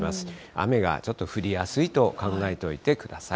雨がちょっと降りやすいと考えておいてください。